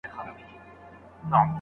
نو زده کوونکي نه وارخطا کېږي.